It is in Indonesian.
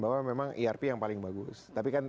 bahwa memang erp yang paling bagus tapi kan